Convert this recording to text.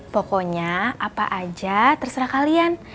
pokoknya apa aja terserah kalian